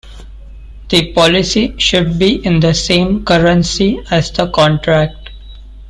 The policy should be in the same currency as the contract.